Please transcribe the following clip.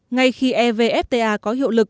ngay khi evfta có hiệu lực